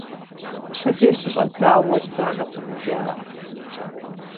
Пщэдей щыщӏэдзауэ уэлбанэ хъуну жаӏэ.